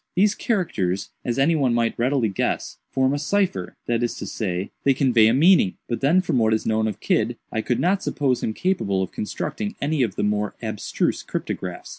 These characters, as any one might readily guess, form a cipher—that is to say, they convey a meaning; but then, from what is known of Kidd, I could not suppose him capable of constructing any of the more abstruse cryptographs.